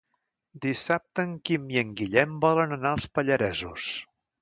Dissabte en Quim i en Guillem volen anar als Pallaresos.